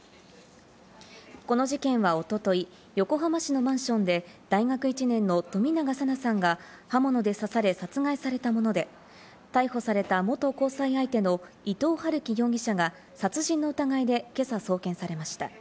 この事件はおととい、横浜市のマンションで大学１年の冨永紗菜さんが刃物で刺され殺害されたもので、逮捕された元交際相手の伊藤龍稀容疑者が殺人の疑いで今朝送検されました。